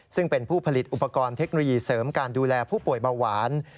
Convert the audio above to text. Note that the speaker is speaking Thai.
ซึ่งเป็นผู้ผลิตอุปกรณ์เทคโนโลยีเสริมการดูแลผู้ป่วยเบาหวาน